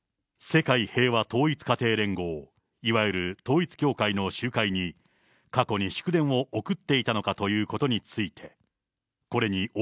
世界平和統一家庭連合、いわゆる統一教会の集会に、過去に祝電を送っていたのかということについて。